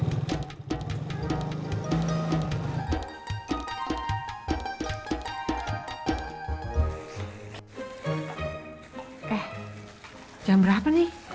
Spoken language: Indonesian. eh jam berapa nih